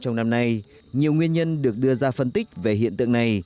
trong năm nay nhiều nguyên nhân được đưa ra phân tích về hiện tượng này